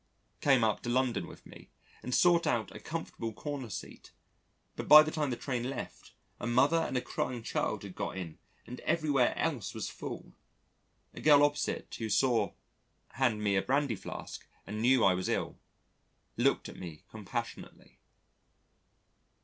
came up to London with me and sought out a comfortable corner seat, but by the time the train left, a mother and a crying child had got in and everywhere else was full. A girl opposite who saw hand me a brandy flask and knew I was ill, looked at me compassionately.